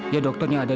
ya dokternya ada